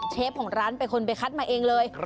เชฟของร้านเป็นคนไปคัดมาเองเลย